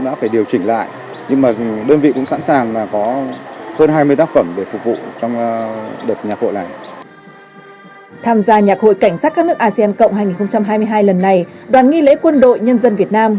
tham gia nhạc hội cảnh sát các nước asean cộng hai nghìn hai mươi hai lần này đoàn nghi lễ quân đội nhân dân việt nam